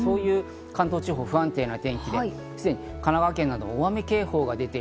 関東地方、不安定な天気ですでに神奈川県など大雨警報が出ている。